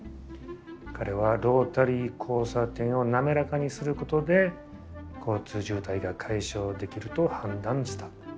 彼はロータリー交差点を滑らかにすることで交通渋滞が解消できると判断した。